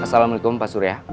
assalamualaikum pak surya